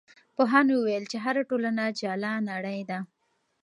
پوهانو وویل چې هره ټولنه جلا نړۍ ده.